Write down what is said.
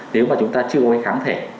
nếu mà chúng ta chưa có cái khám thể